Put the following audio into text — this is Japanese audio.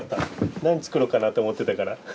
何作ろうかなと思ってたから。